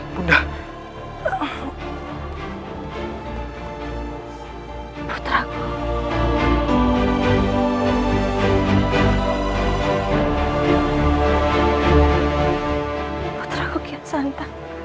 puter aku kian santan